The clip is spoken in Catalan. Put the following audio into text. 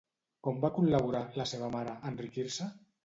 Com va col·laborar, la seva mare, a enriquir-se?